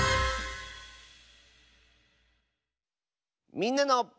「みんなの」。